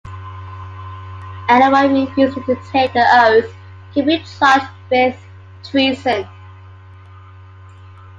Anyone refusing to take the oath could be charged with treason.